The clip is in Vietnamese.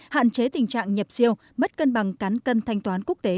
hạn chế tình trạng nhập siêu mất cân bằng cán cân thanh toán quốc tế